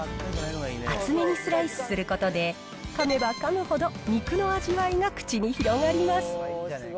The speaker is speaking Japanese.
厚めにスライスすることで、かめばかむほど肉の味わいが口に広がります。